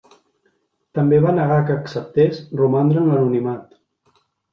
També va negar que acceptés romandre en l'anonimat.